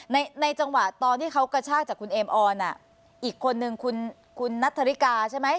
ในในจังหวะตอนที่เขากระชากจากคุณเอมออนอ่ะอีกคนนึงคุณคุณนัทธริกาใช่ไหม